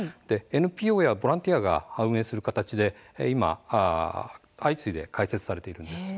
ＮＰＯやボランティアが運営する形で今相次いで開設されているんです。